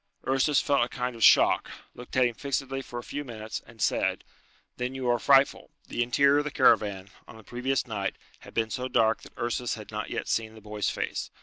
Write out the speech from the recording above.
Ursus felt a kind of shock, looked at him fixedly for a few minutes, and said, "Then you are frightful." The interior of the caravan, on the previous night, had been so dark that Ursus had not yet seen the boy's face.